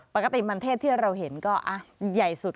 ปกติมันเทศที่เราเห็นเยลุยาอย่ายสุด